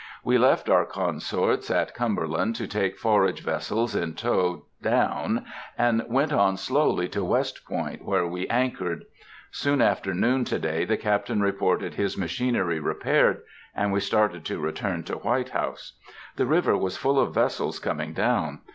We left our consorts at Cumberland to take forage vessels in tow down, and went on slowly to West Point, where we anchored. Soon after noon to day the Captain reported his machinery repaired, and we started to return to White House. The river was full of vessels coming down.